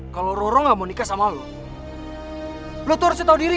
kalau roro gak mau nikah sama lo lo tuh harusnya tahu diri